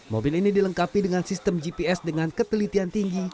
mobil ini dilengkapi dengan sistem gps dengan ketelitian tinggi